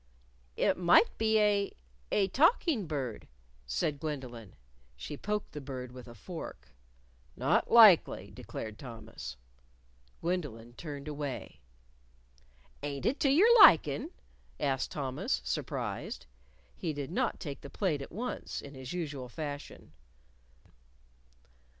"It might be a a talking bird," said Gwendolyn. She poked the bird with a fork. "Not likely," declared Thomas. Gwendolyn turned away. "Ain't it to your likin'?" asked Thomas, surprised. He did not take the plate at once, in his usual fashion.